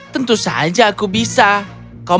tentu saja aku bisa kaum